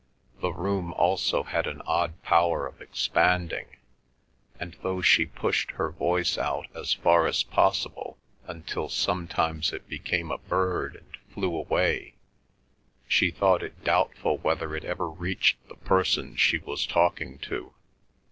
The room also had an odd power of expanding, and though she pushed her voice out as far as possible until sometimes it became a bird and flew away, she thought it doubtful whether it ever reached the person she was talking to.